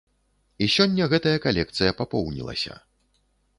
І сёння гэтая калекцыя папоўнілася.